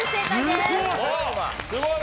すごい！